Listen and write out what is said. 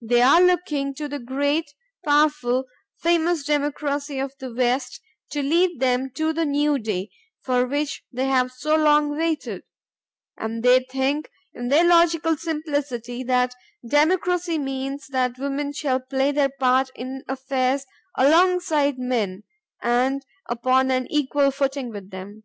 They are looking to the great, powerful, famous democracy of the West to lead them to the new day for which they have so long waited; and they think, in their logical simplicity, that democracy means that women shall play their part in affairs alongside men and upon an equal footing with them.